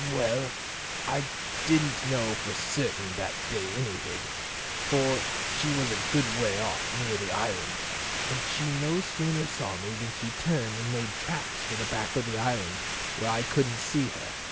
"Well, I didn't know for certain that day anything, for she was a good way off, near the island, and she no sooner saw me than she turned and made tracks for the back of the island where I couldn't see her.